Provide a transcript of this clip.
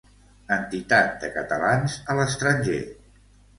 Entitat de catalans a l'estranger.